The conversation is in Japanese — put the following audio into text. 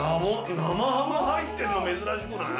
生ハム入ってんの珍しくない？